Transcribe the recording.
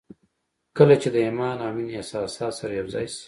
کله چې د ايمان او مينې احساسات سره يو ځای شي.